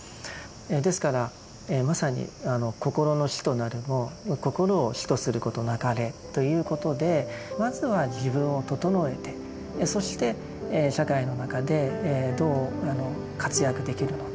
ですからまさに「心の師となるも心を師とすることなかれ」ということでまずは自分を整えてそして社会の中でどう活躍できるのか。